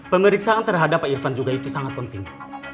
pemeriksaan terhadap pak irfan juga itu sangat penting